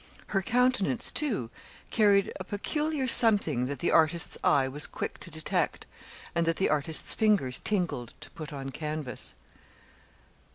Her countenance, too, carried a peculiar something that the artist's eye was quick to detect, and that the artist's fingers tingled to put on canvas.